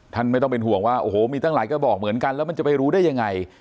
ไม่ต้องเป็นห่วงว่าโอ้โหมีตั้งหลายกระบอกเหมือนกันแล้วมันจะไปรู้ได้ยังไง